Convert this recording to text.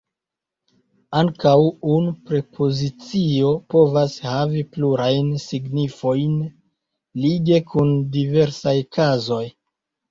Ankaŭ unu prepozicio povas havi plurajn signifojn lige kun diversaj kazoj.